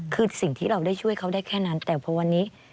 คือสิ่งที่เราได้ช่วยเขาได้แค่นั้นแต่พอวันนี้